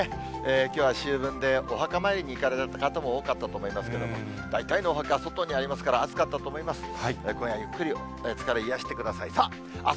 きょうは秋分で、お墓参りに行かれた方も多かったと思いますけども、大体のお墓、外にありますから、暑かったと思います。